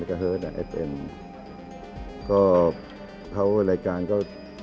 ก็เพราะว่ารายการก็